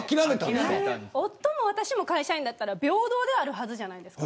夫も私も会社員なら平等なはずじゃないですか。